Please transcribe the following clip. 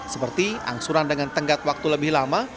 seperti angsuran dengan tenggat waktu lebih lama